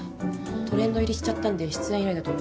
トレンド入りしちゃったんで出演依頼だと思います。